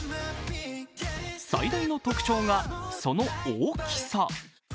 最大の特徴がその大きさ。